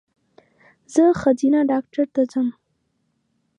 زه ښځېنه ډاکټر ته ځم